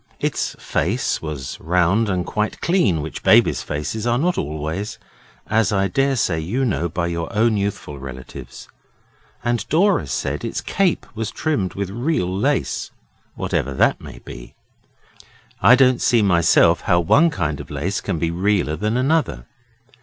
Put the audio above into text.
Its face was round and quite clean, which babies' faces are not always, as I daresay you know by your own youthful relatives; and Dora said its cape was trimmed with real lace, whatever that may be I don't see myself how one kind of lace can be realler than another.